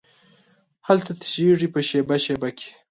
هلته تشېږې په شیبه، شیبه کې